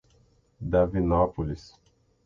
Davinópolis